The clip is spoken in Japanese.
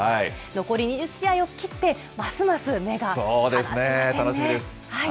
残り２０試合を切って、ますます目が離せませんね。